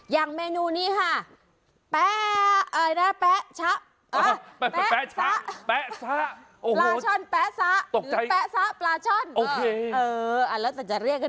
อย่างเมนูนี้ค่ะ